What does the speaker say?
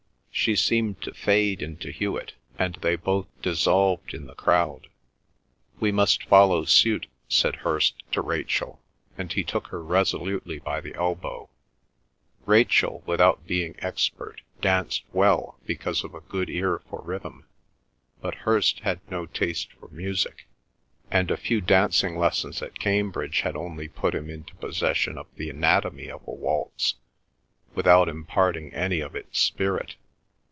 She seemed to fade into Hewet, and they both dissolved in the crowd. "We must follow suit," said Hirst to Rachel, and he took her resolutely by the elbow. Rachel, without being expert, danced well, because of a good ear for rhythm, but Hirst had no taste for music, and a few dancing lessons at Cambridge had only put him into possession of the anatomy of a waltz, without imparting any of its spirit.